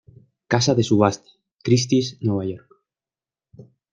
Casa de subasta: Christie’s, Nueva York.